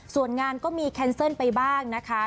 ส่วนงานก็มีแคนเซิลไปบ้างนะคะ